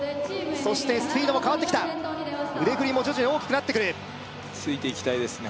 そしてスピードも変わってきた腕振りも徐々に大きくなってくるついていきたいですね